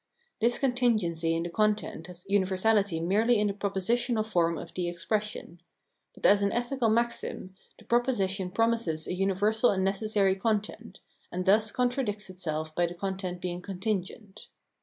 This contingency in the content has universality merely in the prepositional form of the expression ; but as an ethical maxim, the proposition promises a universal and necessary content, and thus contradicts itself by the content being contingent.